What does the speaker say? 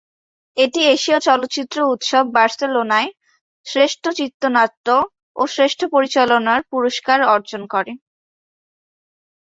এটি এশীয় চলচ্চিত্র উৎসব বার্সেলোনায় শ্রেষ্ঠ চিত্রনাট্য ও শ্রেষ্ঠ পরিচালনার পুরস্কার অর্জন করে।